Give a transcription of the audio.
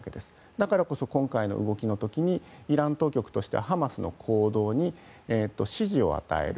だからこそ今回の動きの時にイラン当局としてはハマスの行動に支持を与える。